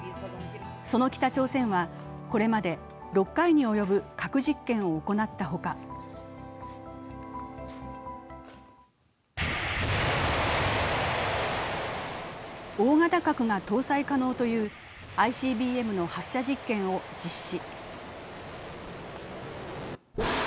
その北朝鮮は、これまで６回に及ぶ核実験を行ったほか大型核が搭載可能というＩＣＢＭの発射実験を実施。